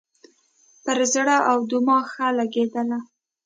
پر زړه او دماغ ښه لګېدله.